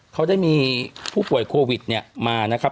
เขาได้มีผู้ป่วยโควิดเนี่ยมานะครับ